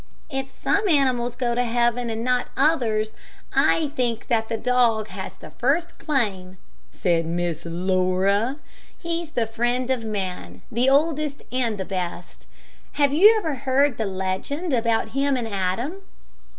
"If some animals go to heaven and not others, I think that the dog has the first claim," said Miss Laura. "He's the friend of man the oldest and best. Have you ever heard the legend about him and Adam?"